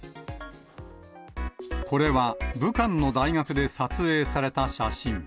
これは武漢の大学で撮影された写真。